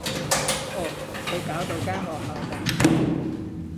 哦，佢搞到間學校噉